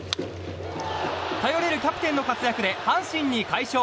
頼れるキャプテンの活躍で阪神に快勝。